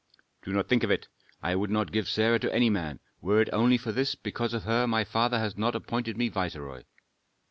'" "Do not think of it. I would not give Sarah to any man, were it only for this, because of her my father has not appointed me viceroy."